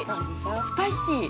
スパイシー！